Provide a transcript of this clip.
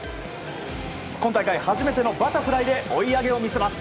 今大会初めてのバタフライで追い上げを見せます。